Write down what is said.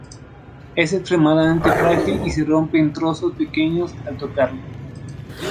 Es extremadamente frágil y se rompe en trozos pequeños al tocarlo.